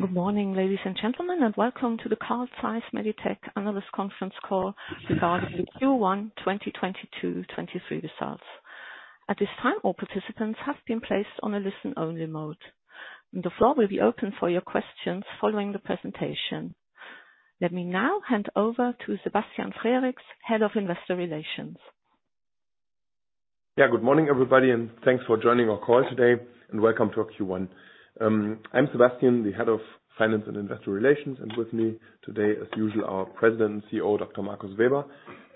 Good morning, ladies and gentlemen, welcome to the Carl Zeiss Meditec Analyst Conference Call regarding the Q1 2022-23 results. At this time, all participants have been placed on a listen-only mode. The floor will be open for your questions following the presentation. Let me now hand over to Sebastian Frericks, Head of Investor Relations. Good morning, everybody, and thanks for joining our call today. Welcome to our Q1. I'm Sebastian, the Head of Finance and Investor Relations. With me today, as usual, our President and CEO, Dr. Markus Weber,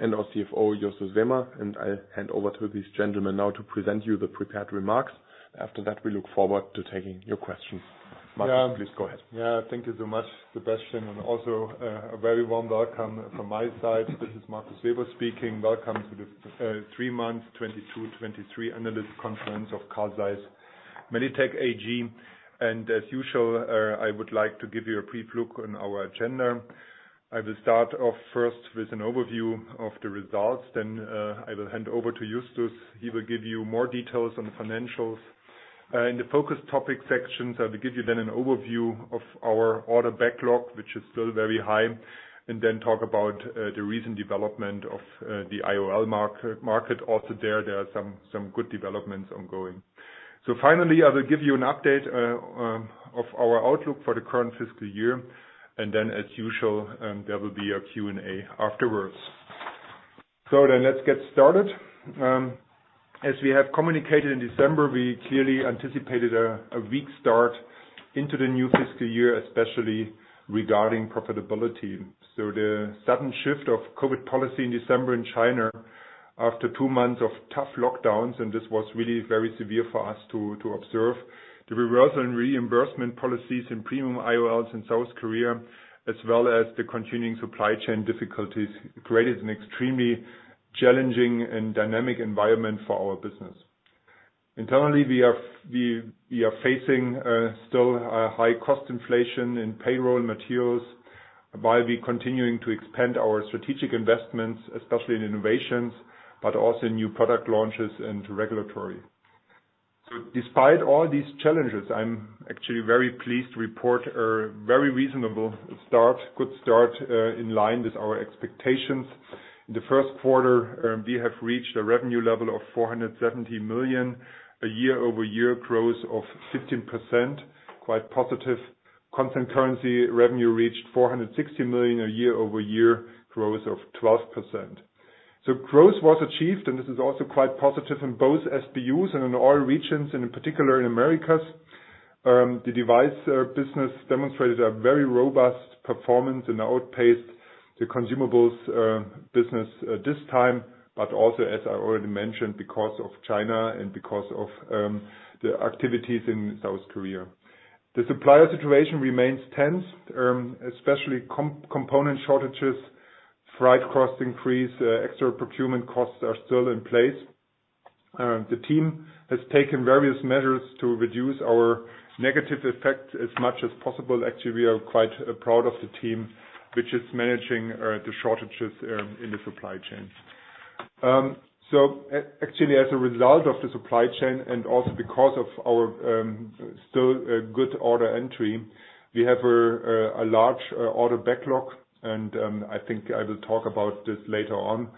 and our CFO, Justus Wehmer. I hand over to these gentlemen now to present you the prepared remarks. After that, we look forward to taking your questions. Markus, please go ahead. Yeah. Thank you so much, Sebastian also a very warm welcome from my side. This is Markus Weber speaking. Welcome to the three months 2022/2023 analyst conference of Carl Zeiss Meditec AG. As usual, I would like to give you a brief look on our agenda. I will start off first with an overview of the results, then, I will hand over to Justus. He will give you more details on the financials. In the focus topic sections, I will give you then an overview of our order backlog, which is still very high, and then talk about the recent development of the IOL market. There are some good developments ongoing. Finally, I will give you an update of our outlook for the current fiscal year, and then as usual, there will be a Q&A afterwards. Let's get started. As we have communicated in December, we clearly anticipated a weak start into the new fiscal year, especially regarding profitability. The sudden shift of COVID policy in December in China after two months of tough lockdowns, and this was really very severe for us to observe. The reversal in reimbursement policies in premium IOLs in South Korea, as well as the continuing supply chain difficulties, created an extremely challenging and dynamic environment for our business. Internally, we are facing still a high cost inflation in payroll and materials, while we're continuing to expand our strategic investments, especially in innovations, but also in new product launches and regulatory. Despite all these challenges, I'm actually very pleased to report a very reasonable start, good start, in line with our expectations. In the Q1, we have reached a revenue level of 470 million, a year-over-year growth of 15%, quite positive. Constant currency revenue reached 460 million, a year-over-year growth of 12%. Growth was achieved, and this is also quite positive in both SBUs and in all regions, and in particular in Americas. The device business demonstrated a very robust performance and outpaced the consumables business this time, but also, as I already mentioned, because of China and because of the activities in South Korea. The supplier situation remains tense, especially component shortages, freight cost increase, extra procurement costs are still in place. The team has taken various measures to reduce our negative effect as much as possible. Actually, we are quite proud of the team, which is managing the shortages in the supply chain. Actually, as a result of the supply chain and also because of our still good order entry, we have a large order backlog and I think I will talk about this later on.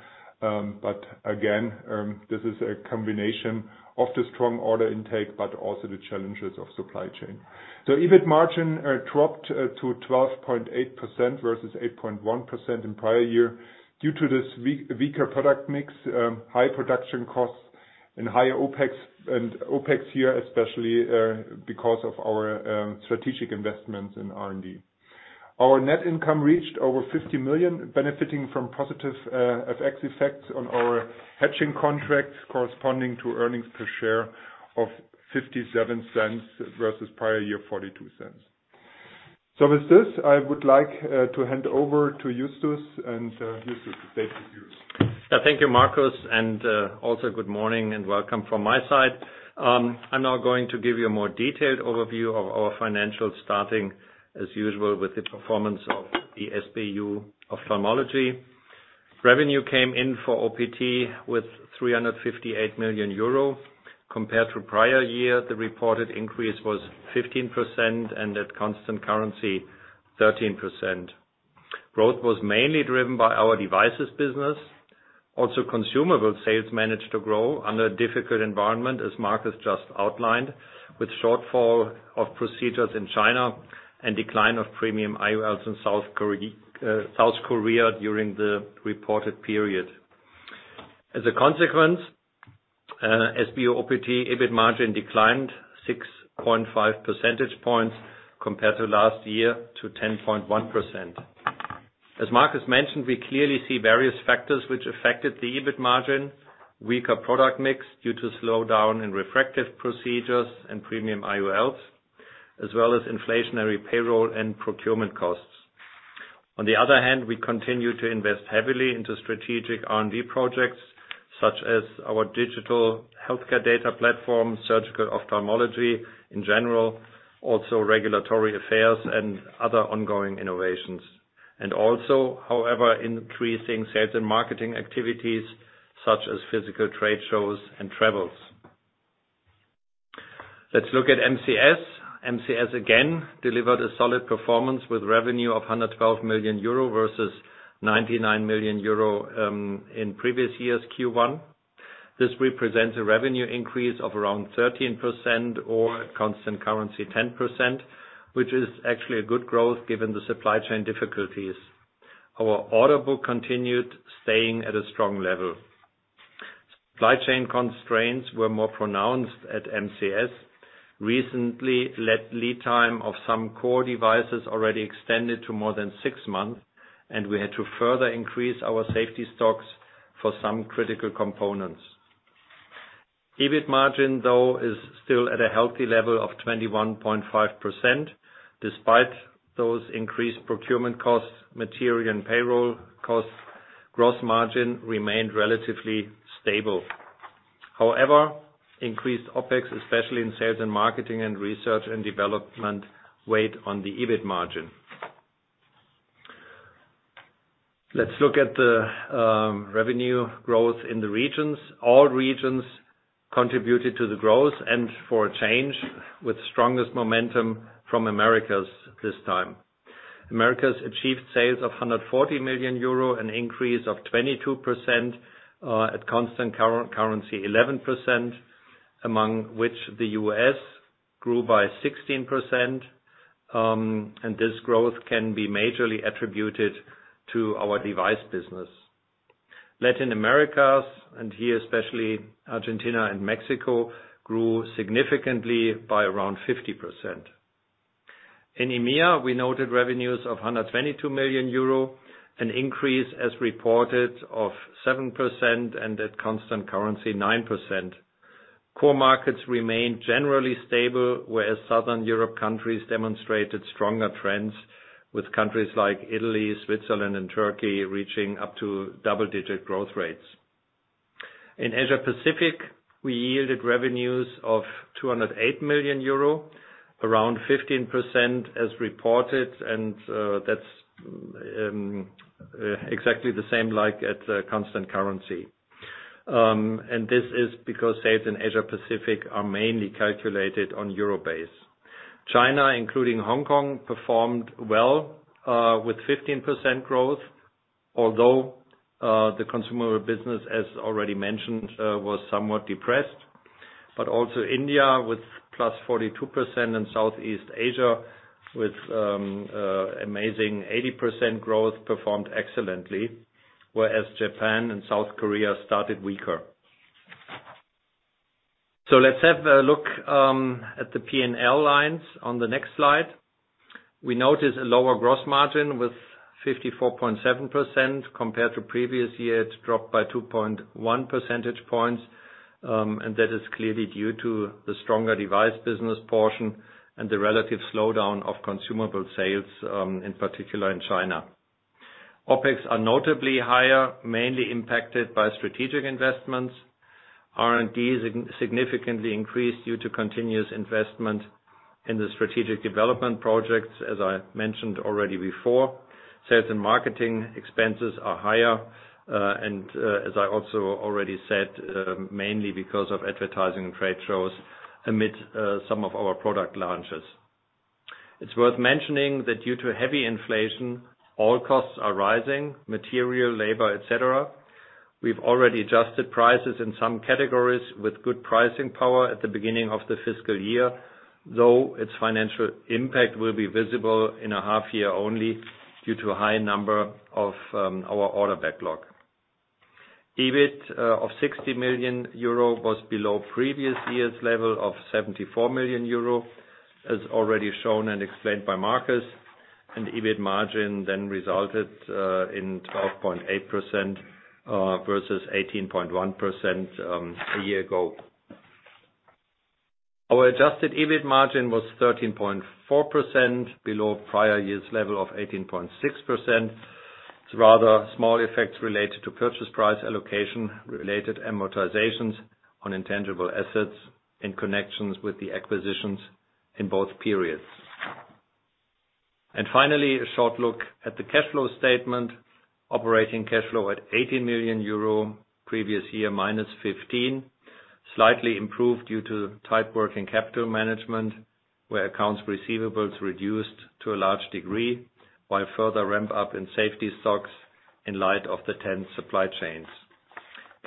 But again, this is a combination of the strong order intake, but also the challenges of supply chain. EBIT margin dropped to 12.8% versus 8.1% in prior year due to this weaker product mix, high production costs and higher OpEx and OpEx here especially because of our strategic investments in R&D. Our net income reached over 50 million, benefiting from positive FX effects on our hedging contracts corresponding to earnings per share of 0.57 versus prior year 0.42. With this, I would like to hand over to Justus, and Justus, the stage is yours. Thank you, Markus, and also good morning and welcome from my side. I'm now going to give you a more detailed overview of our financials starting as usual with the performance of the SBU ophthalmology. Revenue came in for OPT with 358 million euro. Compared to prior year, the reported increase was 15%, and at constant currency, 13%. Growth was mainly driven by our devices business. Consumable sales managed to grow under a difficult environment, as Markus just outlined, with shortfall of procedures in China and decline of premium IOLs in South Korea during the reported period. As a consequence, SBU OPT EBIT margin declined 6.5 percentage points compared to last year to 10.1%. As Markus mentioned, we clearly see various factors which affected the EBIT margin, weaker product mix due to slowdown in refractive procedures and premium IOLs, as well as inflationary payroll and procurement costs. On the other hand, we continue to invest heavily into strategic R&D projects such as our digital healthcare data platform, surgical ophthalmology in general, also regulatory affairs and other ongoing innovations. However, increasing sales and marketing activities such as physical trade shows and travels. Let's look at MCS. MCS again delivered a solid performance with revenue of 112 million euro versus 99 million euro in previous years Q1. This represents a revenue increase of around 13% or constant currency, 10%, which is actually a good growth given the supply chain difficulties. Our order book continued staying at a strong level. Supply chain constraints were more pronounced at MCS. Recently, lead time of some core devices already extended to more than six months, and we had to further increase our safety stocks for some critical components. EBIT margin, though, is still at a healthy level of 21.5%. Despite those increased procurement costs, material and payroll costs, gross margin remained relatively stable. However, increased OpEx, especially in sales and marketing and research and development, weighed on the EBIT margin. Let's look at the revenue growth in the regions. All regions contributed to the growth and for a change with strongest momentum from Americas this time. Americas achieved sales of 140 million euro, an increase of 22%, at constant currency 11%, among which the U.S. grew by 16%, and this growth can be majorly attributed to our device business. Latin America, and here especially Argentina and Mexico, grew significantly by around 50%. In EMEA, we noted revenues of 122 million euro, an increase as reported of 7% and at constant currency, 9%. Core markets remained generally stable, whereas Southern Europe countries demonstrated stronger trends with countries like Italy, Switzerland, and Turkey reaching up to double-digit growth rates. In Asia Pacific, we yielded revenues of 208 million euro, around 15% as reported, that's exactly the same like at constant currency. This is because sales in Asia Pacific are mainly calculated on euro base. China, including Hong Kong, performed well, with 15% growth, although the consumable business, as already mentioned, was somewhat depressed. India with +42% and Southeast Asia with amazing 80% growth performed excellently, whereas Japan and South Korea started weaker. Let's have a look at the P&L lines on the next slide. We notice a lower gross margin with 54.7% compared to previous year. It's dropped by 2.1 percentage points, and that is clearly due to the stronger device business portion and the relative slowdown of consumable sales, in particular in China. OpEx are notably higher, mainly impacted by strategic investments. R&D has significantly increased due to continuous investment in the strategic development projects, as I mentioned already before. Sales and marketing expenses are higher, and as I also already said, mainly because of advertising and trade shows amid some of our product launches. It's worth mentioning that due to heavy inflation, all costs are rising, material, labor, et cetera. We've already adjusted prices in some categories with good pricing power at the beginning of the fiscal year, though its financial impact will be visible in a half year only due to a high number of our order backlog. EBIT of 60 million euro was below previous year's level of 74 million euro, as already shown and explained by Markus. EBIT margin then resulted in 12.8% versus 18.1% a year ago. Our adjusted EBIT margin was 13.4% below prior year's level of 18.6%. It's rather small effects related to purchase price allocation, related amortizations on intangible assets in connections with the acquisitions in both periods. Finally, a short look at the cash flow statement. Operating cash flow at 80 million euro, previous year -15 million, slightly improved due to tight working capital management, where accounts receivables reduced to a large degree, while further ramp up in safety stocks in light of the 10 supply chains.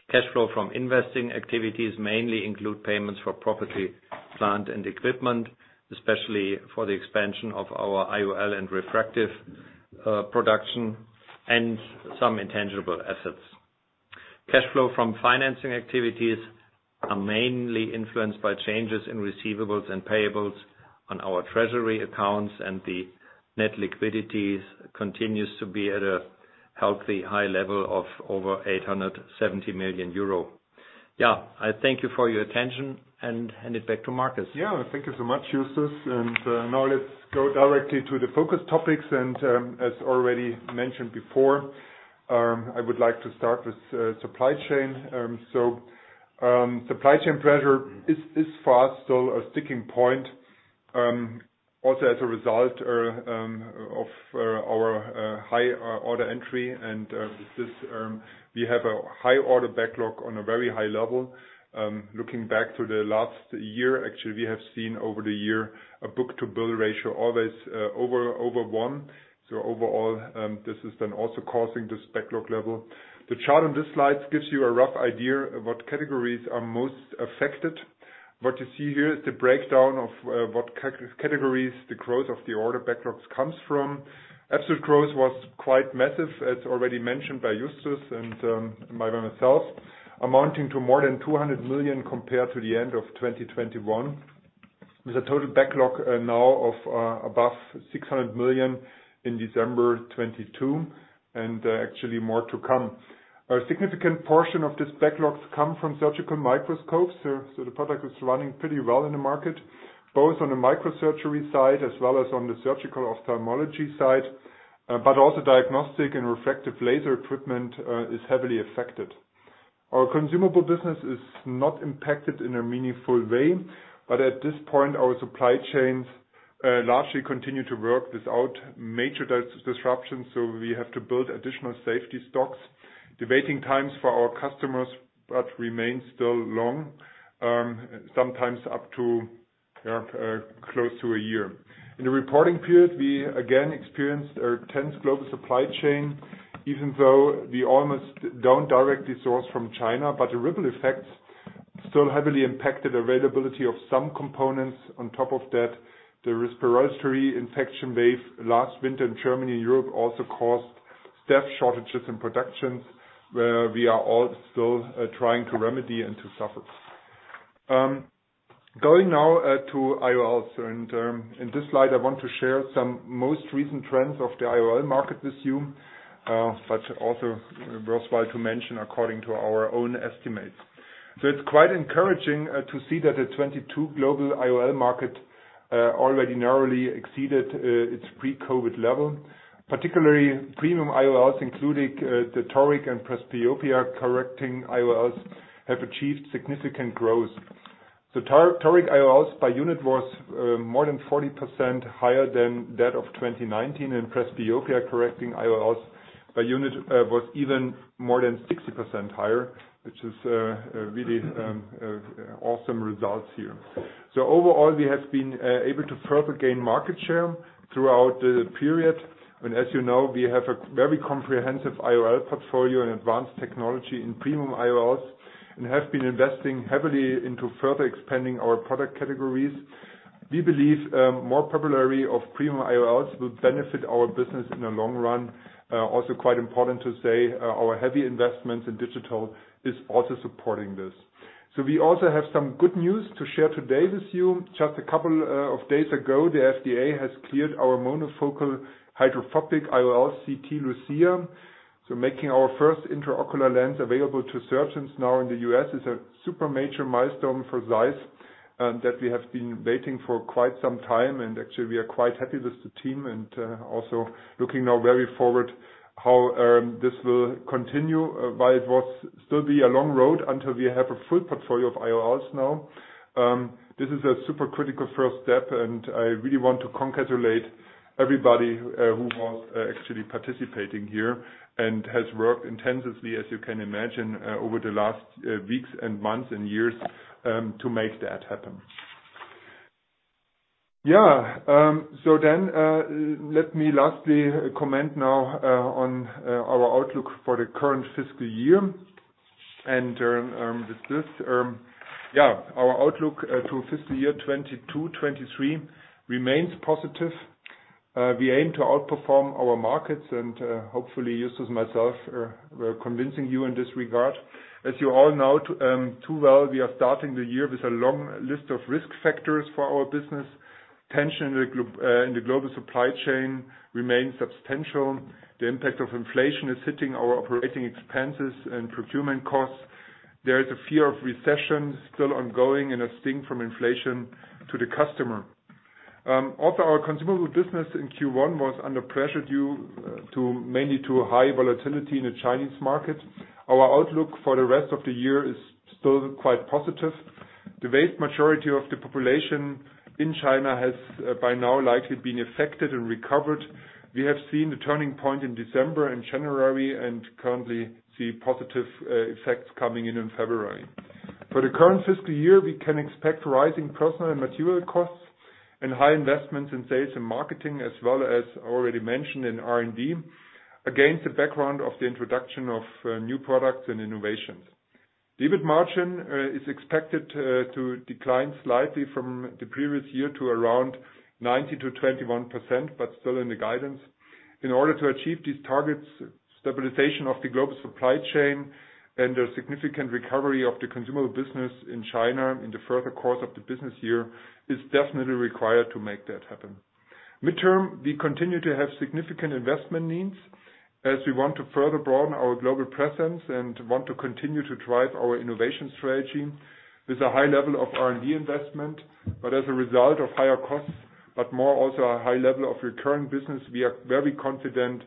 Cash flow from investing activities mainly include payments for property, plant and equipment, especially for the expansion of our IOL and refractive production and some intangible assets. Cash flow from financing activities are mainly influenced by changes in receivables and payables on our treasury accounts. The net liquidity continues to be at a healthy high level of over 870 million euro. You for your attention and hand it back to Markus. Thank you so much, Justus. Now let's go directly to the focus topics. As already mentioned before, I would like to start with supply chain. Supply chain pressure is for us still a sticking point, also as a result of our high order entry and this, we have a high order backlog on a very high level. Looking back to the last year, actually, we have seen over the year a book-to-bill ratio always over one. Overall, this is then also causing this backlog level. The chart on this slide gives you a rough idea of what categories are most affected. What you see here is the breakdown of what categories the growth of the order backlogs comes from. Absolute growth was quite massive, as already mentioned by Justus and by myself, amounting to more than 200 million compared to the end of 2021, with a total backlog now of above 600 million in December 2022, and actually more to come. A significant portion of this backlogs come from surgical microscopes, so the product is running pretty well in the market, both on the microsurgery side as well as on the surgical ophthalmology side. Also diagnostic and refractive laser equipment is heavily affected. Our consumable business is not impacted in a meaningful way. At this point, our supply chains largely continue to work without major disruption. We have to build additional safety stocks. The waiting times for our customers but remain still long, sometimes up to close to a year. In the reporting period, we again experienced a tense global supply chain, even though we almost don't directly source from China, but the ripple effects still heavily impacted availability of some components. On top of that, the respiratory infection wave last winter in Germany and Europe also caused staff shortages in productions, where we are all still trying to remedy and to suffer. Going now to IOLs. In this slide, I want to share some most recent trends of the IOL market with you, but also worthwhile to mention according to our own estimates. It's quite encouraging to see that the 2022 global IOL market already narrowly exceeded its pre-COVID level. Particularly premium IOLs, including the toric and presbyopia-correcting IOLs, have achieved significant growth. Toric IOLs by unit was more than 40% higher than that of 2019, and presbyopia-correcting IOLs by unit was even more than 60% higher, which is really awesome results here. Overall, we have been able to further gain market share throughout the period. As we have a very comprehensive IOL portfolio and advanced technology in premium IOLs and have been investing heavily into further expanding our product categories. We believe more popularity of premium IOLs will benefit our business in the long run. Also quite important to say, our heavy investments in digital is also supporting this. We also have some good news to share today with you. Just a couple of days ago, the FDA has cleared our monofocal hydrophobic IOL, CT LUCIA. Making our first intraocular lens available to surgeons now in the U.S. is a super major milestone for ZEISS that we have been waiting for quite some time. Actually, we are quite happy with the team and also looking now very forward how this will continue. While it will still be a long road until we have a full portfolio of IOLs now, this is a super critical first step, and I really want to congratulate everybody who was actually participating here and has worked intensively, as you can imagine, over the last weeks and months and years to make that happen. Yeah. Let me lastly comment now on our outlook for the current fiscal year. With this, our outlook to fiscal year 2022, 2023 remains positive. We aim to outperform our markets. Hopefully Justus and myself, we're convincing you in this regard. As you all know too well, we are starting the year with a long list of risk factors for our business. Tension in the global supply chain remains substantial. The impact of inflation is hitting our operating expenses and procurement costs. There is a fear of recession still ongoing and a sting from inflation to the customer. Also our consumable business in Q1 was under pressure mainly to high volatility in the Chinese market. Our outlook for the rest of the year is still quite positive. The vast majority of the population in China has by now likely been affected and recovered. We have seen the turning point in December and January, and currently see positive effects coming in in February. For the current fiscal year, we can expect rising personal and material costs and high investments in sales and marketing, as well as already mentioned in R&D, against the background of the introduction of new products and innovations. EBIT margin is expected to decline slightly from the previous year to around 19%-21%, but still in the guidance. In order to achieve these targets, stabilization of the global supply chain and a significant recovery of the consumable business in China in the further course of the business year is definitely required to make that happen. Midterm, we continue to have significant investment needs. As we want to further broaden our global presence and want to continue to drive our innovation strategy with a high level of R&D investment, as a result of higher costs, but more also a high level of recurring business. We are very confident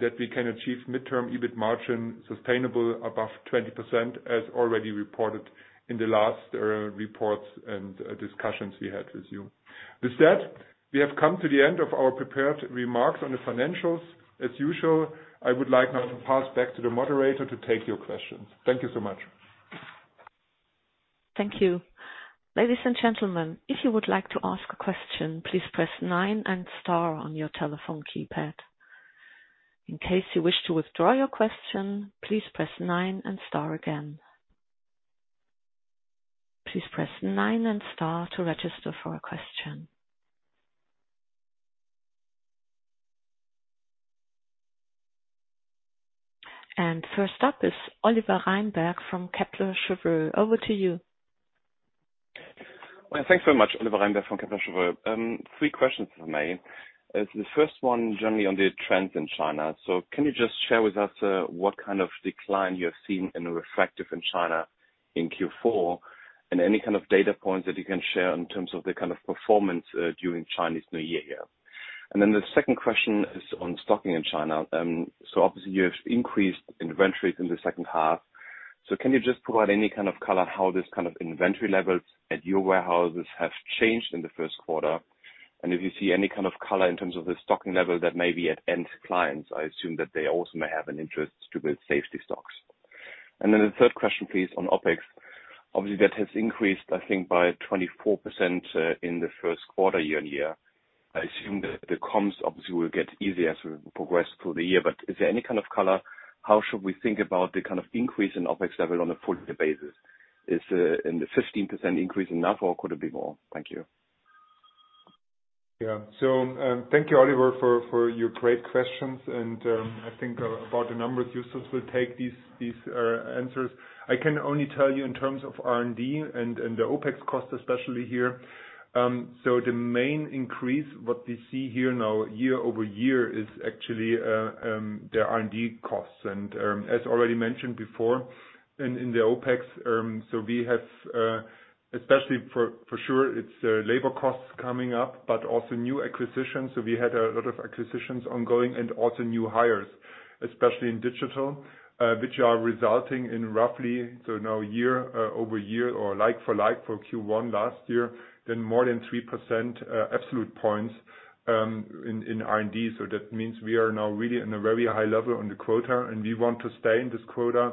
that we can achieve midterm EBIT margin sustainable above 20%, as already reported in the last reports and discussions we had with you. With that, we have come to the end of our prepared remarks on the financials. As usual, I would like now to pass back to the moderator to take your questions. Thank you so much. Thank you. Ladies and gentlemen, if you would like to ask a question, please press nine and star on your telephone keypad. In case you wish to withdraw your question, please press nine and star again. Please press nine and star to register for a question. First up is Oliver Reinberg from Kepler Cheuvreux. Over to you. Well, thanks very much, Oliver Reinberg from Kepler Cheuvreux. Three questions for you. The first one, generally on the trends in China. Can you just share with us, what kind of decline you have seen in Refractive in China in Q4? Any kind of data points that you can share in terms of the kind of performance, during Chinese New Year? The second question is on stocking in China. Obviously you have increased inventories in the second half. Can you just provide any kind of color how this kind of inventory levels at your warehouses have changed in the Q1? If you see any kind of color in terms of the stocking level that may be at end clients, I assume that they also may have an interest to build safety stocks. Then the third question, please, on OpEx. Obviously, that has increased, I think, by 24% in the Q1 year-on-year. I assume that the comps obviously will get easier as we progress through the year. But is there any kind of color, how should we think about the kind of increase in OpEx level on a full year basis? Is the 15% increase enough or could it be more? Thank you. Thank you, Oliver, for your great questions. I think, about the numbers, Justus will take these answers. I can only tell you in terms of R&D and the OpEx costs, especially here. The main increase, what we see here now year-over-year, is actually the R&D costs. As already mentioned before, in the OpEx, we have, especially for sure, it's labor costs coming up, but also new acquisitions. We had a lot of acquisitions ongoing and also new hires, especially in digital, which are resulting in roughly year-over-year or like-for-like for Q1 last year, then more than 3% absolute points in R&D. That means we are now really in a very high level on the quota, and we want to stay in this quota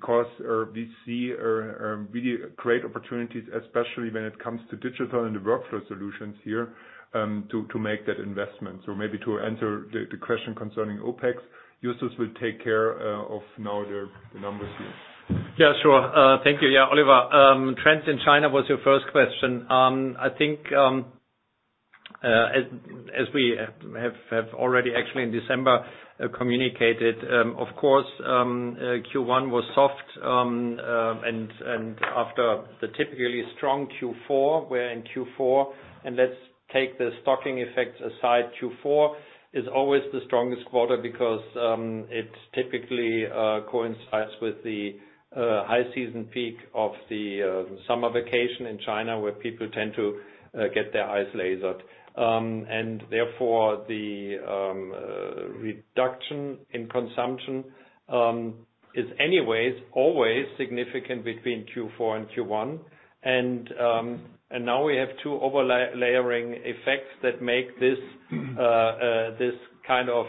because we see really great opportunities, especially when it comes to digital and the workflow solutions here, to make that investment. Maybe to answer the question concerning OpEx, Justus will take care of now the numbers here. Yeah, sure. Thank you. Yeah, Oliver. Trends in China was your first question. I think, as we have already actually in December communicated, of course, Q1 was soft. After the typically strong Q4, where in Q4, and let's take the stocking effects aside, Q4 is always the strongest quarter because it typically coincides with the high season peak of the summer vacation in China, where people tend to get their eyes lasered. Therefore the reduction in consumption is anyways, always significant between Q4 and Q1. Now we have two layering effects that make this kind of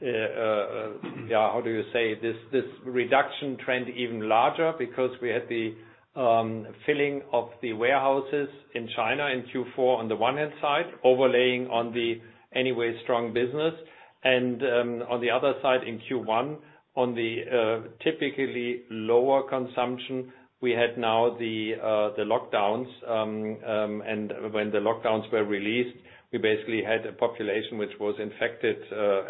yeah, how do you say, this reduction trend even larger because we had the filling of the warehouses in China in Q4 on the one hand side, overlaying on the anyway strong business. On the other side, in Q1, on the typically lower consumption, we had now the lockdowns. And when the lockdowns were released, we basically had a population which was infected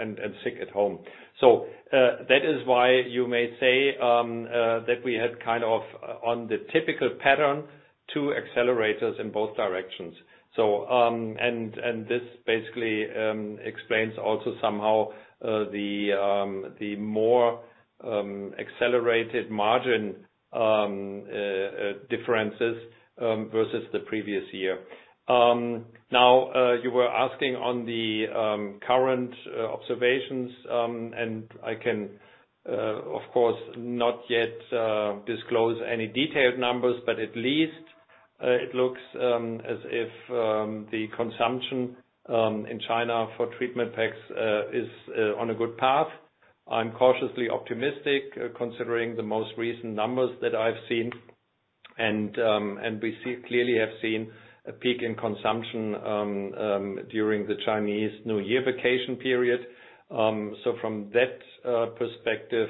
and sick at home. That is why you may say that we had kind of on the typical pattern, two accelerators in both directions. This basically explains also somehow the more accelerated margin differences versus the previous year. Now, you were asking on the current observations. I can, of course, not yet disclose any detailed numbers, but at least it looks as if the consumption in China for treatment packs is on a good path. I'm cautiously optimistic, considering the most recent numbers that I've seen. We clearly have seen a peak in consumption during the Chinese New Year vacation period. From that perspective,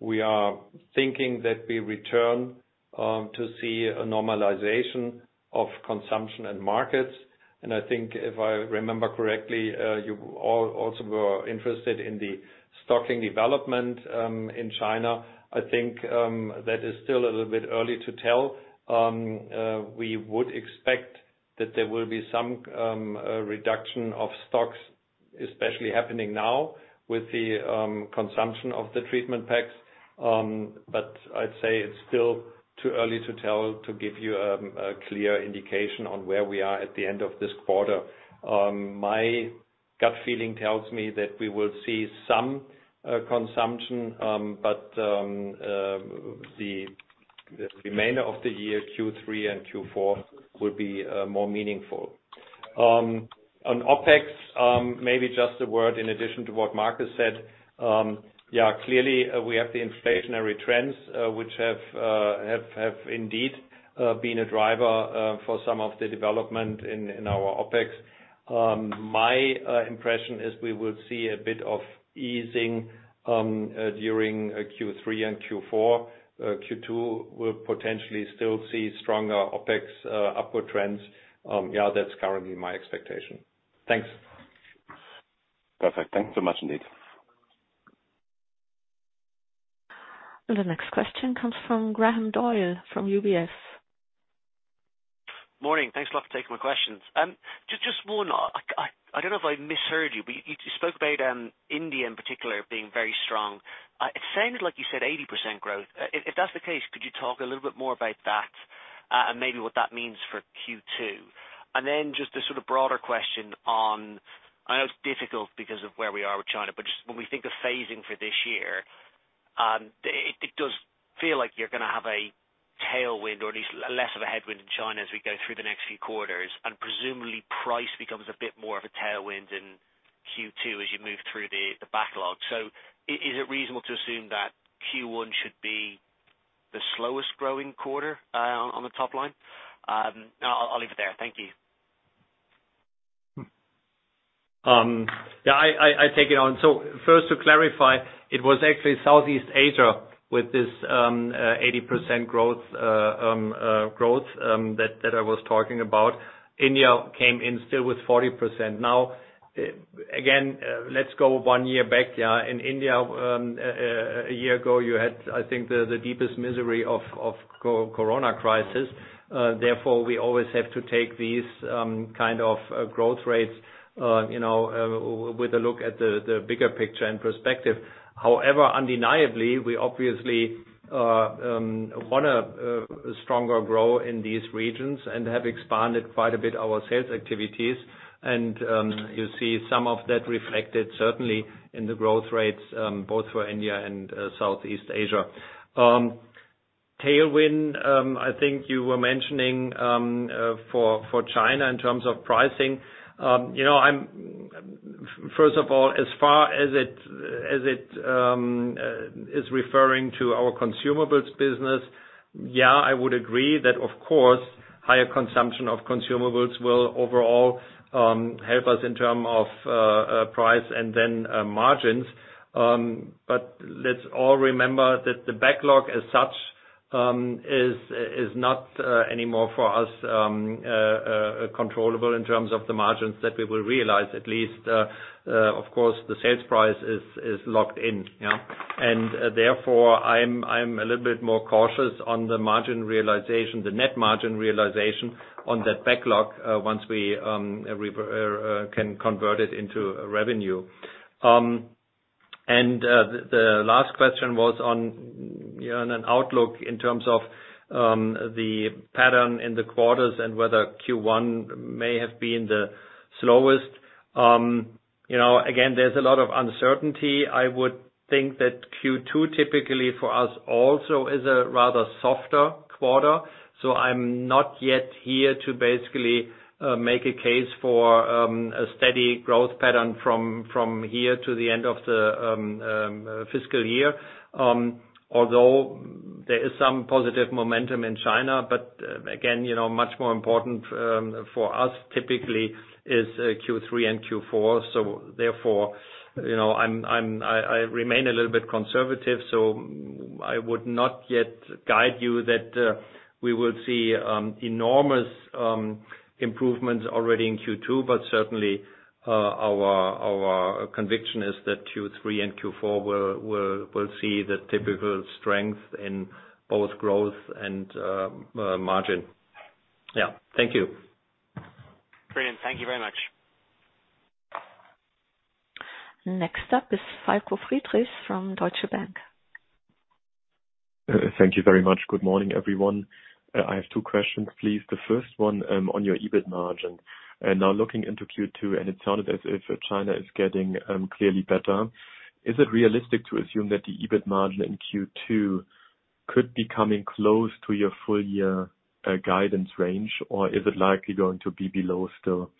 we are thinking that we return to see a normalization of consumption and markets. I think, if I remember correctly, you also were interested in the stocking development in China. I think that is still a little bit early to tell. We would expect that there will be some reduction of stocks, especially happening now with the consumption of the treatment packs. I'd say it's still too early to tell, to give you a clear indication on where we are at the end of this quarter. My gut feeling tells me that we will see some consumption, but the remainder of the year, Q3 and Q4 will be more meaningful. On OpEx, maybe just a word in addition to what Markus Weber said. Yeah, clearly, we have the inflationary trends, which have indeed been a driver for some of the development in our OpEx. My impression is we will see a bit of easing during Q3 and Q4. Q2 will potentially still see stronger OpEx, upward trends. Yeah, that's currently my expectation. Thanks. Perfect. Thanks so much indeed. The next question comes from Graham Doyle from UBS. Morning. Thanks a lot for taking my questions. Just one, I don't know if I misheard you, but you spoke about India in particular being very strong. It sounded like you said 80% growth. If that's the case, could you talk a little bit more about that, and maybe what that means for Q2? Just a sort of broader question on, I know it's difficult because of where we are with China, but just when we think of phasing for this year, it does feel like you're going to have a tailwind or at least less of a headwind in China as we go through the next few quarters. Presumably price becomes a bit more of a tailwind in Q2 as you move through the backlog. Is it reasonable to assume that Q1 should be the slowest growing quarter on the top line? I'll leave it there. Thank you. Yeah, I take it on. First to clarify, it was actually Southeast Asia with this 80% growth that I was talking about. India came in still with 40%. Again, let's go one year back, yeah, in India, a year ago, you had, I think the deepest misery of co-corona crisis. Therefore, we always have to take these kind of growth rates, with a look at the bigger picture and perspective. However, undeniably, we obviously want a stronger growth in these regions and have expanded quite a bit our sales activities. You see some of that reflected certainly in the growth rates, both for India and Southeast Asia. Tailwind, I think you were mentioning, for China in terms of pricing. First of all, as far as it is referring to our consumables business, yeah, I would agree that of course, higher consumption of consumables will overall, help us in term of, price and then, margins. Let's all remember that the backlog as such, is not anymore for us controllable in terms of the margins that we will realize at least. Of course, the sales price is locked in, yeah. Therefore, I'm a little bit more cautious on the margin realization, the net margin realization on that backlog, once we can convert it into revenue. The last question was on an outlook in terms of the pattern in the quarters and whether Q1 may have been the slowest. Again, there's a lot of uncertainty. I would think that Q2 typically for us also is a rather softer quarter. I'm not yet here to basically make a case for a steady growth pattern from here to the end of the fiscal year. Although there is some positive momentum in China, again, much more important for us typically is Q3 and Q4. I remain a little bit conservative, so I would not yet guide you that we will see enormous improvements already in Q2, but certainly, our conviction is that Q3 and Q4 will see the typical strength in both growth and margin. Thank you. Brilliant. Thank you very much. Next up is Falko Friedrichs from Deutsche Bank. Thank you very much. Good morning, everyone. I have two questions, please. The first one, on your EBIT margin. Now looking into Q2, and it sounded as if China is getting clearly better. Is it realistic to assume that the EBIT margin in Q2 could be coming close to your full year guidance range, or is it likely going to be below still?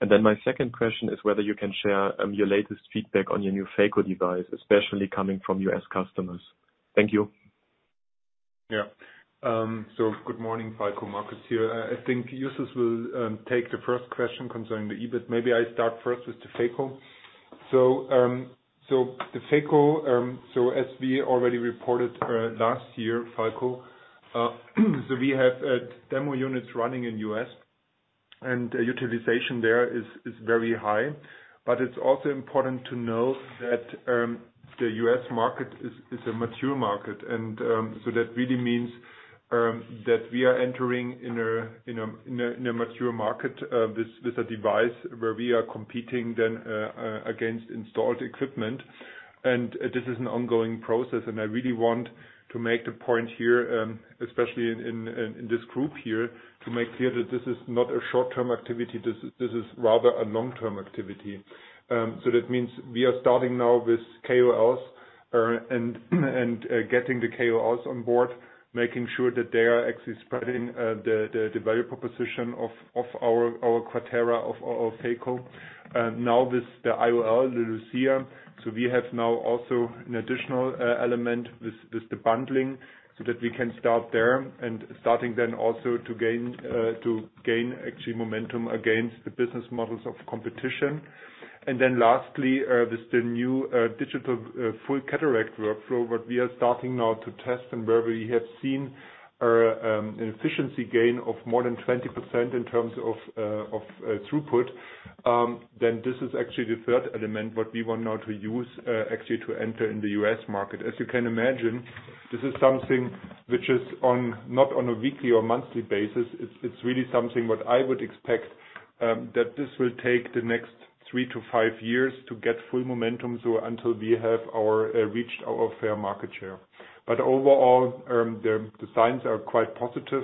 My second question is whether you can share your latest feedback on your new phaco device, especially coming from U.S. customers. Thank you. Yeah. Good morning, Falko. Markus here. I think Justus will take the first question concerning the EBIT. Maybe I start first with the phaco. The phaco, as we already reported last year, Falko, we have demo units running in U.S. and utilization there is very high. It's also important to know that the U.S. market is a mature market. That really means. That we are entering in a mature market, with a device where we are competing then against installed equipment. This is an ongoing process, and I really want to make the point here, especially in this group here, to make clear that this is not a short-term activity, this is rather a long-term activity. So that means we are starting now with KOLs, and getting the KOLs on board, making sure that they are actually spreading the value proposition of our QUATERA, of phaco. Now with the IOL, the Lucia. We have now also an additional element with the bundling, so that we can start there and starting then also to gain actually momentum against the business models of competition. Lastly, with the new digital full cataract workflow, what we are starting now to test and where we have seen an efficiency gain of more than 20% in terms of throughput. This is actually the third element what we want now to use actually to enter in the U.S. market. As you can imagine, this is something which is on, not on a weekly or monthly basis. It's really something what I would expect, that this will take the next 3-5 years to get full momentum, so until we have reached our fair market share. Overall, the signs are quite positive.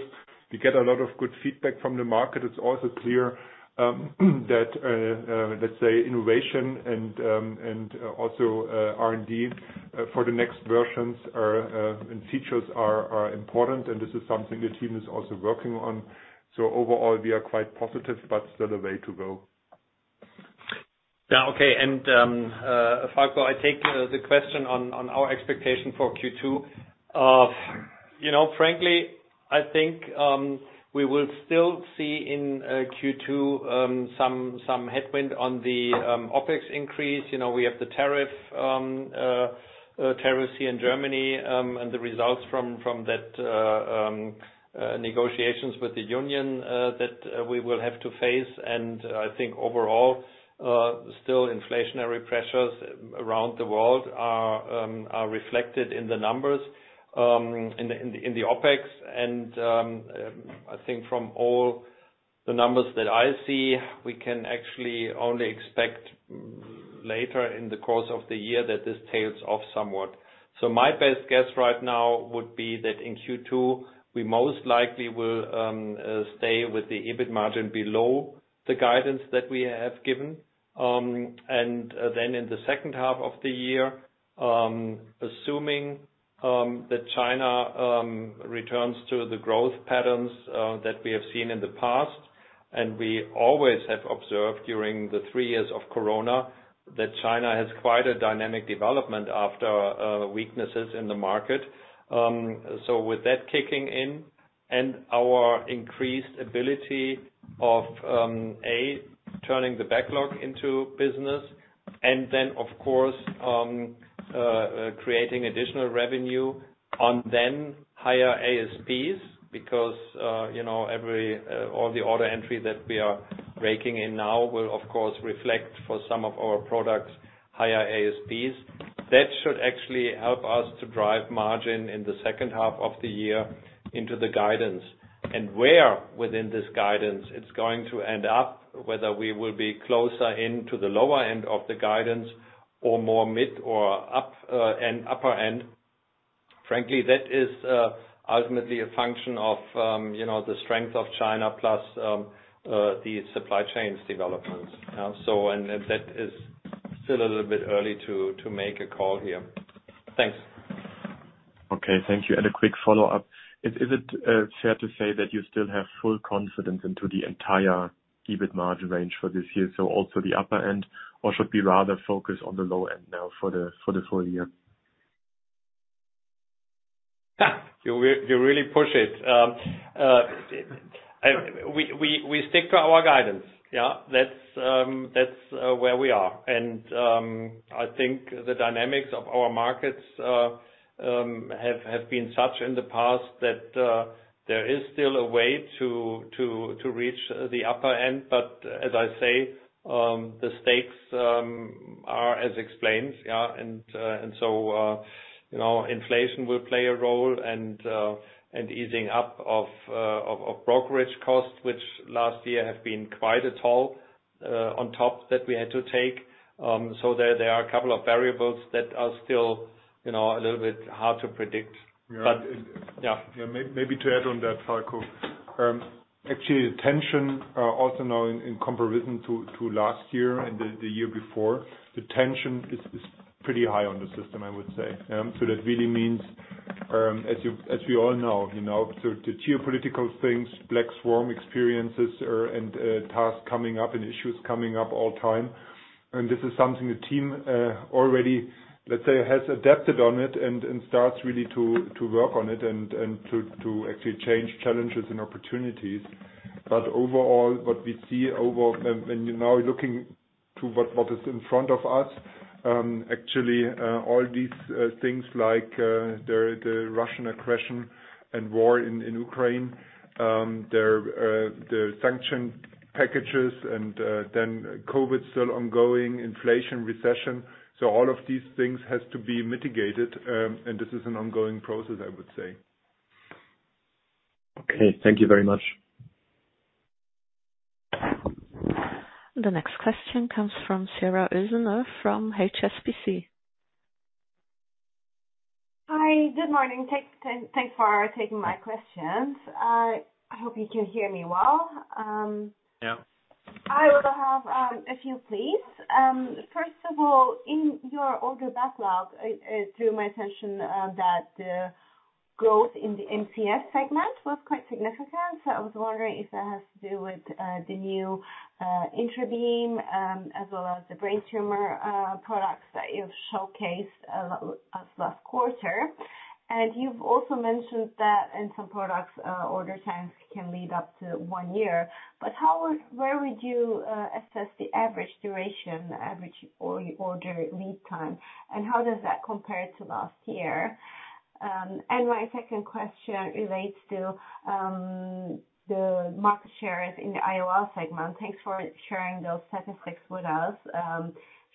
We get a lot of good feedback from the market. It's also clear, that let's say innovation and and also R&D for the next versions and features are important, and this is something the team is also working on. Overall, we are quite positive, but still a way to go. Yeah. Okay. Falko, I take the question on our expectation for Q2. frankly, I think we will still see in Q2 some headwind on the OpEx increase. we have the tariff tariffs here in Germany, and the results from that negotiations with the union that we will have to face. I think overall, still inflationary pressures around the world are reflected in the numbers in the OpEx. I think from all the numbers that I see, we can actually only expect later in the course of the year that this tails off somewhat. My best guess right now would be that in Q2, we most likely will stay with the EBIT margin below the guidance that we have given. In the second half of the year, assuming that China returns to the growth patterns that we have seen in the past, and we always have observed during the three years of Corona that China has quite a dynamic development after weaknesses in the market. With that kicking in and our increased ability of A, turning the backlog into business, and then of course, creating additional revenue on then higher ASPs because, every, all the order entry that we are raking in now will of course reflect for some of our products, higher ASPs. That should actually help us to drive margin in the second half of the year into the guidance. Where within this guidance it's going to end up, whether we will be closer into the lower end of the guidance or more mid or up, and upper end. Frankly, that is ultimately a function of the strength of China plus, the supply chains developments. That is still a little bit early to make a call here. Thanks. Okay. Thank you. A quick follow-up. Is it fair to say that you still have full confidence into the entire EBIT margin range for this year, so also the upper end? Should we rather focus on the low end now for the full year? Ha. You really push it. We stick to our guidance. Yeah. That's where we are. I think the dynamics of our markets have been such in the past that there is still a way to reach the upper end. As I say, the stakes are as explainedinflation will play a role and easing up of freight costs, which last year have been quite a toll on top that we had to take. there are a couple of variables that are still a little bit hard to predict. yeah. add on that, Falko. Actually, the tension also now in comparison to last year and the year before, the tension is pretty high on the system, I would say. So that really means, as you, as we all know the geopolitical things, black swan experiences, and tasks coming up and issues coming up all time. And this is something the team already, let's say, has adapted on it and starts really to work on it and to actually change challenges and opportunities. But overall, what we see over... Now looking to what is in front of us, actually, all these things like the Russian aggression and war in Ukraine, their sanction packages and then COVID still ongoing, inflation, recession. All of these things has to be mitigated, and this is an ongoing process, I would say. Okay. Thank you very much. The next question comes from Sezgi Oezener from HSBC. Hi. Good morning. Thanks for taking my questions. I hope you can hear me well. Yeah. I would have a few, please. First of all, in your order backlog, it drew my attention that growth in the MCS segment was quite significant. I was wondering if that has to do with the new INTRABEAM as well as the brain tumor products that you've showcased last quarter. You've also mentioned that in some products, order times can lead up to one year. Where would you assess the average duration, the average order lead time? How does that compare to last year? My second question relates to the market shares in the IOL segment. Thanks for sharing those statistics with us,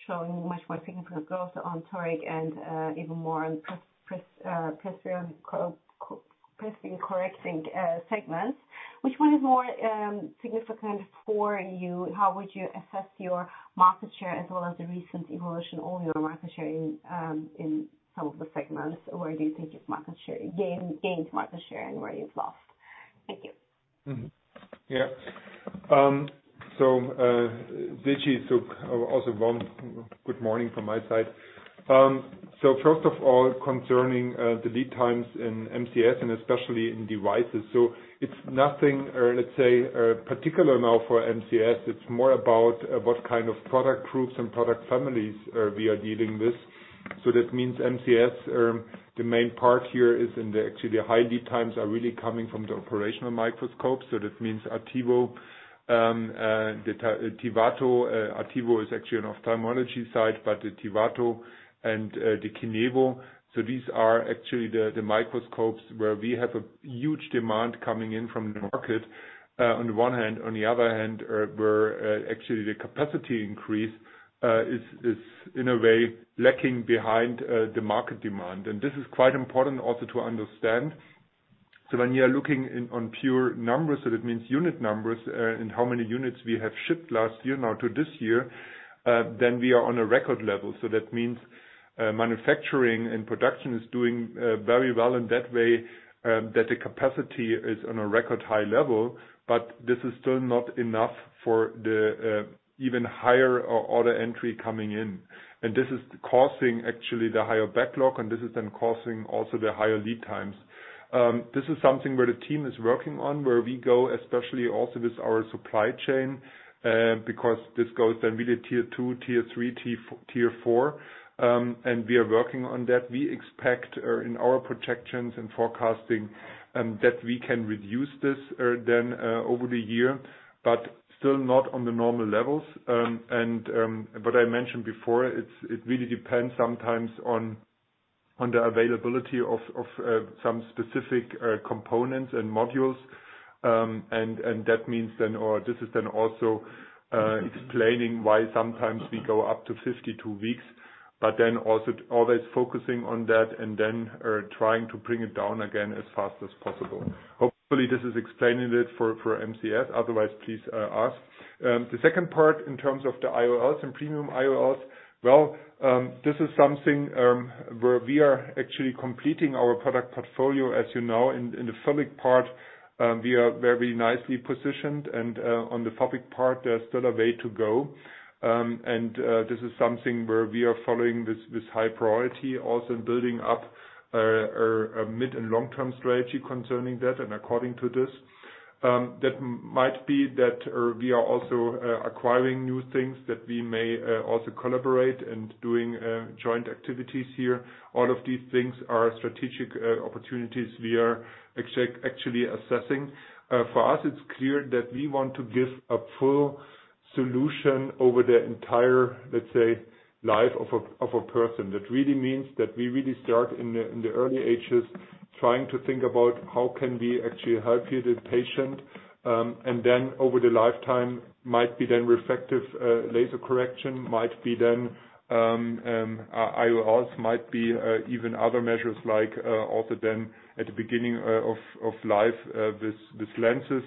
showing much more significant growth on toric and even more on presbyopia-correcting segments. Which one is more significant for you? How would you assess your market share as well as the recent evolution on your market share in some of the segments? Where do you think is market share gained market share and where you've lost? Thank you. Zichi, also, good morning from my side. First of all, concerning the lead times in MCS and especially in devices. It's nothing particular now for MCS. It's more about what kind of product groups and product families we are dealing with. That means MCS, the main part here is actually the high lead times are really coming from the operational microscope. That means ARTEVO, the TIVATO. ARTEVO is actually an ophthalmology site, but the TIVATO and the KINEVO. These are actually the microscopes where we have a huge demand coming in from the market on the one hand. On the other hand, where actually the capacity increase is in a way lacking behind the market demand. This is quite important also to understand. When you are looking on pure numbers, so that means unit numbers, and how many units we have shipped last year now to this year, then we are on a record level. That means, manufacturing and production is doing very well in that way, that the capacity is on a record high level, this is still not enough for the even higher order entry coming in. This is causing actually the higher backlog, and this is then causing also the higher lead times. This is something where the team is working on, where we go, especially also with our supply chain, because this goes then really tier two, tier three, tier four, and we are working on that. We expect in our projections and forecasting that we can reduce this over the year, but still not on the normal levels. What I mentioned before, it's, it really depends sometimes on the availability of some specific components and modules. That means then or this is then also explaining why sometimes we go up to 52 weeks, but then also always focusing on that and then trying to bring it down again as fast as possible. Hopefully, this is explaining it for MCS. Otherwise, please ask. The second part in terms of the IOLs and premium IOLs, well, this is something where we are actually completing our product portfolio, as. In the phakic part, we are very nicely positioned, and on the phakic part, there's still a way to go. This is something where we are following this high priority also in building up a mid and long-term strategy concerning that and according to this. That might be that we are also acquiring new things that we may also collaborate and doing joint activities here. All of these things are strategic opportunities we are actually assessing. For us, it's clear that we want to give a full solution over the entire, let's say, life of a person. That really means that we really start in the early ages, trying to think about how can we actually help you, the patient, and then over the lifetime might be then reflective laser correction, might be then IOLs, might be even other measures like also then at the beginning of life with lenses,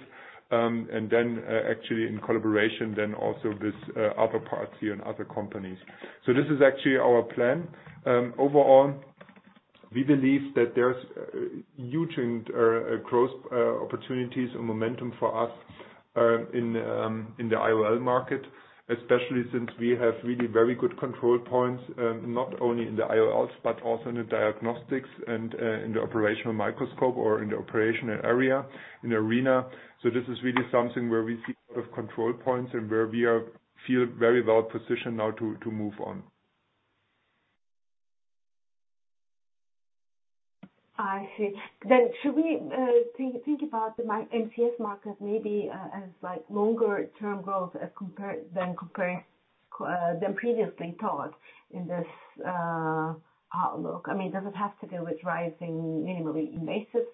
and then actually in collaboration then also with other parties and other companies. This is actually our plan. Overall, we believe that there's huge growth opportunities and momentum for us in the IOL market, especially since we have really very good control points, not only in the IOLs, but also in the diagnostics and in the operational microscope or in the operational area, in arena. This is really something where we see a lot of control points and where we feel very well positioned now to move on. I see. Should we think about the MCS market maybe as like longer-term growth as compared than previously thought in this outlook? I mean, does it have to do with rising minimally invasive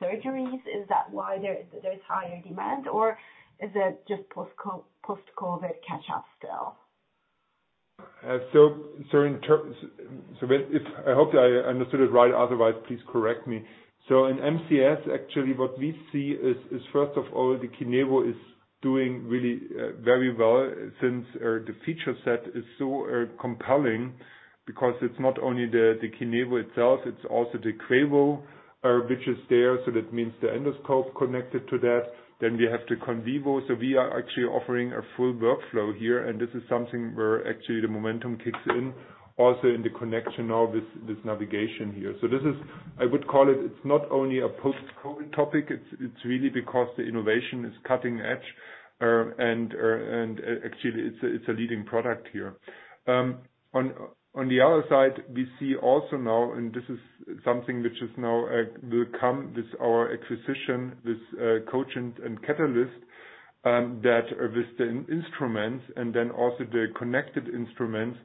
surgeries? Is that why there's higher demand, or is it just post-COVID catch-up still? If, I hope I understood it right, otherwise please correct me. In MCS, actually what we see is first of all, the KINEVO is doing really very well since the feature set is so compelling because it's not only the KINEVO itself, it's also the QEVO, which is there, so that means the endoscope connected to that. Then we have the CONEVO. We are actually offering a full workflow here, and this is something where actually the momentum kicks in also in the connection of this navigation here. This is... I would call it's not only a post-COVID topic, it's really because the innovation is cutting edge, and actually it's a leading product here. On the other side, we see also now, and this is something which is now, will come with our acquisition, this Kogent and Katalyst, that with the instruments and then also the connected instruments,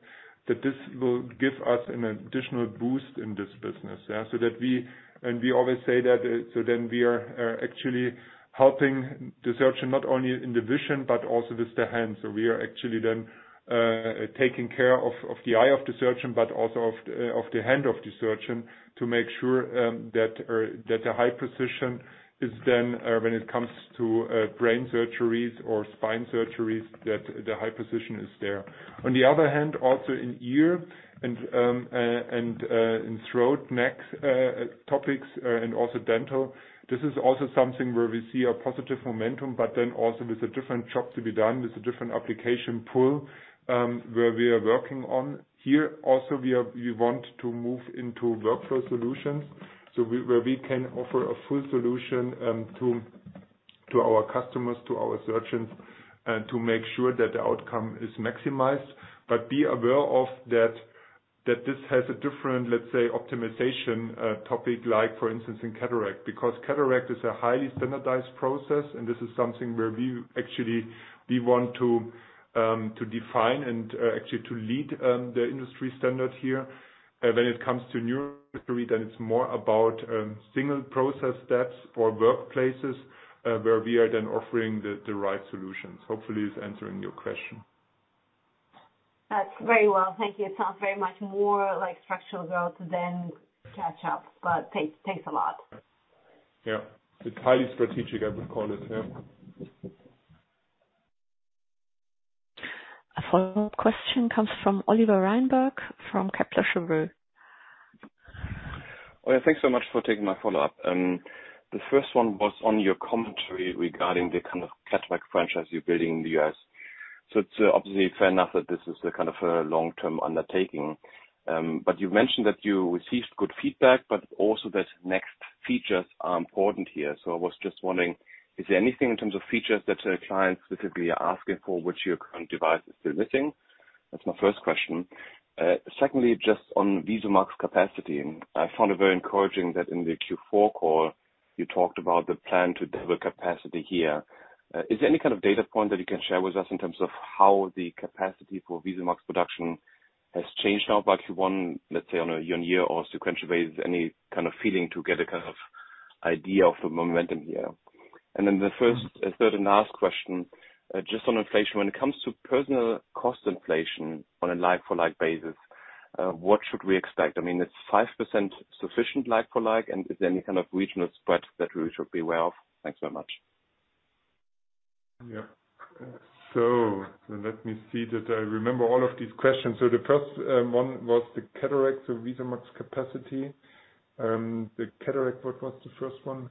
that this will give us an additional boost in this business. We always say that, we are actually helping the surgeon not only in the vision but also with the hands. We are actually then taking care of the eye of the surgeon but also of the hand of the surgeon to make sure that the high precision is then, when it comes to brain surgeries or spine surgeries, that the high precision is there. On the other hand, also in ear, throat, neck topics, and also dental, this is also something where we see a positive momentum, but then also with a different job to be done, with a different application pool, where we are working on here. Also we want to move into workflow solutions where we can offer a full solution to our customers, to our surgeons, to make sure that the outcome is maximized. Be aware of that this has a different, let's say, optimization topic like for instance in cataract. Cataract is a highly standardized process and this is something where we actually, we want to define and actually to lead the industry standard here. When it comes to neurosurgery, it's more about single process steps for workplaces, where we are then offering the right solutions. Hopefully it's answering your question. Very well, thank you. It sounds very much more like structural growth than catch up, but thanks a lot. Yeah. It's highly strategic, I would call it. Yeah. A follow-up question comes from Oliver Reinberg from Kepler Cheuvreux. Oh, yeah, thanks so much for taking my follow-up. The first one was on your commentary regarding the kind of cataract franchise you're building in the U.S. It's obviously fair enough that this is a kind of a long-term undertaking. You mentioned that you received good feedback, but also that next features are important here. I was just wondering, is there anything in terms of features that clients specifically are asking for which your current device is still missing? That's my first question. Secondly, just on VisuMax capacity. I found it very encouraging that in the Q4 call you talked about the plan to double capacity here. Is there any kind of data point that you can share with us in terms of how the capacity for VisuMax production has changed now by Q1, let's say on a year-on-year or sequential basis? Any kind of feeling to get a kind of idea of the momentum here. The third and last question, just on inflation. When it comes to personal cost inflation on a like-for-like basis, what should we expect? I mean, is 5% sufficient like-for-like, and is there any kind of regional spread that we should be aware of? Thanks very much. Yeah. Let me see that I remember all of these questions. The first, one was the cataract, the VisuMax capacity. The cataract, what was the first one?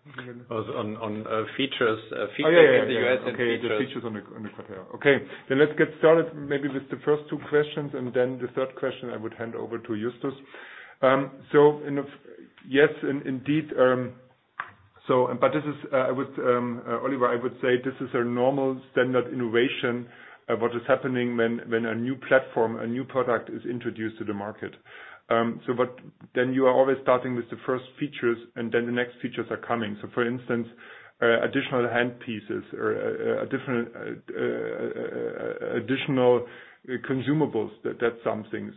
Was on features. Oh, yeah, yeah. In the U.S. and features- Okay, the features on the cataract. Okay. Let's get started maybe with the first two questions, and then the third question I would hand over to Justus. Indeed, Oliver, I would say this is a normal standard innovation of what is happening when a new platform, a new product is introduced to the market. You are always starting with the first features, and then the next features are coming. For instance, additional hand pieces or a different additional consumables, that's something.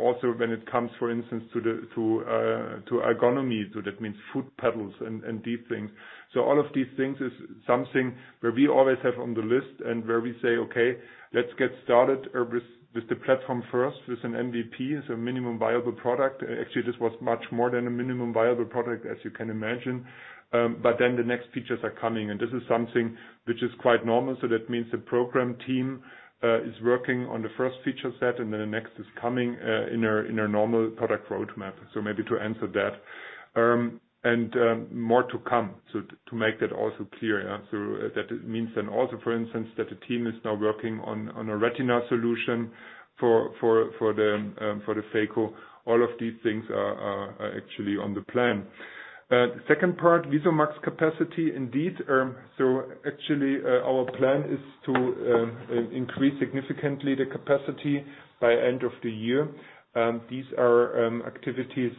Also when it comes, for instance, to the ergonomy, that means foot pedals and these things. All of these things is something where we always have on the list and where we say, "Okay, let's get started with the platform first, with an MVP," so a minimum viable product. Actually, this was much more than a minimum viable product, as you can imagine. The next features are coming, and this is something which is quite normal. That means the program team is working on the first feature set, and then the next is coming in a normal product roadmap. Maybe to answer that. More to come, so to make that also clear, yeah. That means then also, for instance, that the team is now working on a retina solution for the phaco. All of these things are actually on the plan. Second part, VisuMax capacity. Indeed, actually, our plan is to increase significantly the capacity by end of the year. These are activities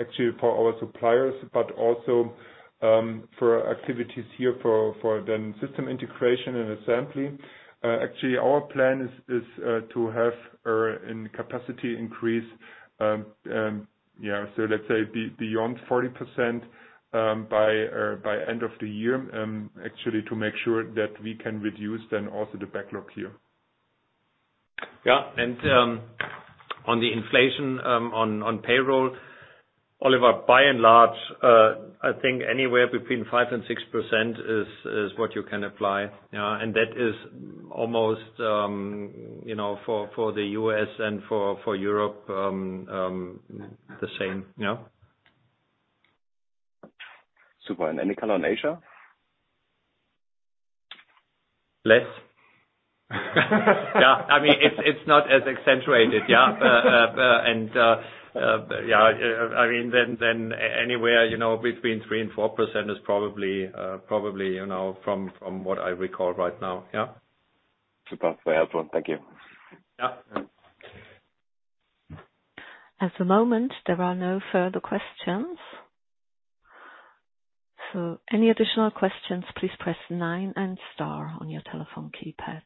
actually for our suppliers, but also for activities here for then system integration and assembly. Actually, our plan is to have a capacity increase, yeah, let's say beyond 40% by end of the year, actually to make sure that we can reduce then also the backlog here. Yeah. On the inflation, on payroll, Oliver, by and large, I think anywhere between 5% and 6% is what you can apply, yeah. That is almost, for the US and for Europe, the same. Yeah. Super. Any color on Asia? Less. Yeah. I mean, it's not as accentuated. Yeah. Yeah, I mean, then anywhere, between 3% and 4% is probably, from what I recall right now. Yeah. Super. Very helpful. Thank you. Yeah. At the moment, there are no further questions. Any additional questions, please press 9 and star on your telephone keypad.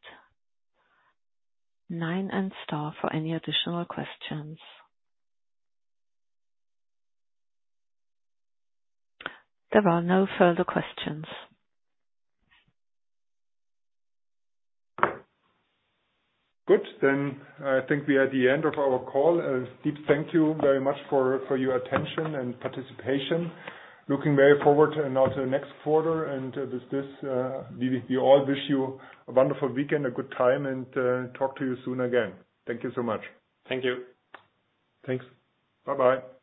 9 and star for any additional questions. There are no further questions. Good. I think we are at the end of our call. A deep thank you very much for your attention and participation. Looking very forward and also next quarter. With this, we all wish you a wonderful weekend, a good time, and talk to you soon again. Thank you so much. Thank you. Thanks. Bye-bye.